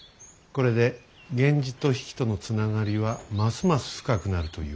これで源氏と比企との繋がりはますます深くなるというもの。